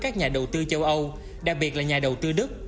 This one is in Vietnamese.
các nhà đầu tư châu âu đặc biệt là nhà đầu tư đức